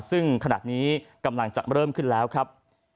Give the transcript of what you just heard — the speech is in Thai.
ซึ่งขณะนี้กำลังจะเริ่มขึ้นแล้วครับ